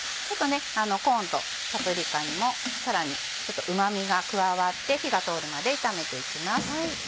コーンとパプリカにもさらにうま味が加わって火が通るまで炒めて行きます。